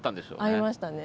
合いましたね。